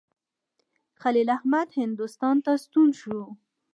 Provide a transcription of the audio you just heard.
خلیل احمد هند ته ستون شو.